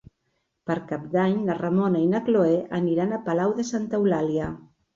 Per Cap d'Any na Ramona i na Cloè aniran a Palau de Santa Eulàlia.